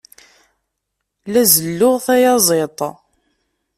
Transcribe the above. La zelluɣ tayaziḍt.